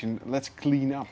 mari kita bersihkan